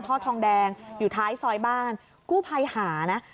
ป้าของน้องธันวาผู้ชมข่าวอ่อน